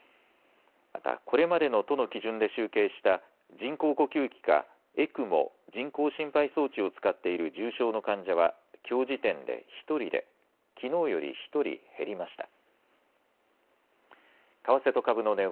また、これまでの都の基準で集計した人工呼吸器かＥＣＭＯ・人工心肺装置を使っている重症の患者は、きょう時点で１人で、きのうより１人減りました。